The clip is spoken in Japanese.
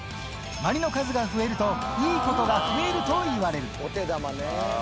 まりの数が増えるといいことが増えるといわれる。